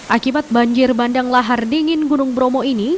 akibat banjir bandang lahar dingin gunung bromo ini